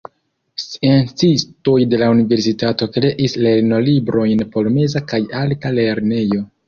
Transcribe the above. Sciencistoj de la universitato kreis lernolibrojn por meza kaj alta lernejo.